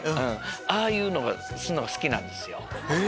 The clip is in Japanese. ああいうのするのが好きなんですよ。